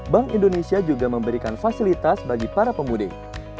bank indonesia juga memberikan fasilitas bagi para pemudik